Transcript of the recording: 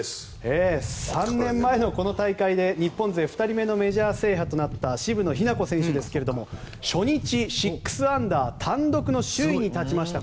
３年前のこの大会で日本勢２人目のメジャー制覇となった渋野日向子選手ですが初日、６アンダー単独の首位に立ちました。